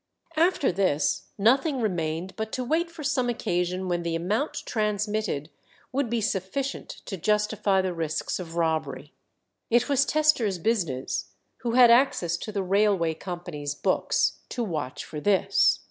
After this nothing remained but to wait for some occasion when the amount transmitted would be sufficient to justify the risks of robbery. It was Tester's business, who had access to the railway company's books, to watch for this.